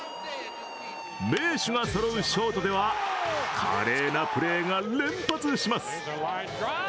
名手がそろうショ−トでは華麗なプレーが連発します。